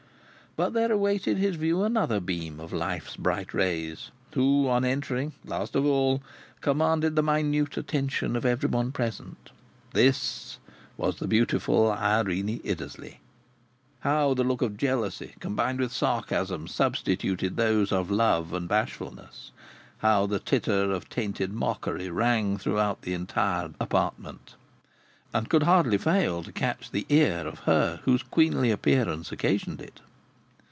But there awaited his view another beam of life's bright rays, who, on entering, last of all, commanded the minute attention of every one present this was the beautiful Irene Iddesleigh. How the look of jealousy, combined with sarcasm, substituted those of love and bashfulness! How the titter of tainted mockery rang throughout the entire apartment, and could hardly fail to catch the ear of her whose queenly appearance occasioned it!